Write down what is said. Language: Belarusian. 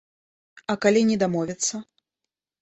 А калі не дамовяцца?